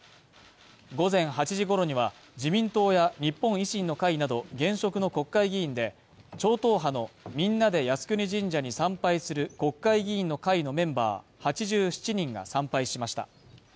午前８時ごろには自民党や日本維新の会など、現職の国会議員で超党派のみんなで靖国神社に参拝する国会議員の会のメンバー８７人が参拝しました。